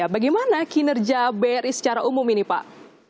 bagaimana kinerja bri secara umum ini pak